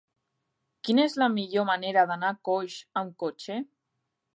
Quina és la millor manera d'anar a Coix amb cotxe?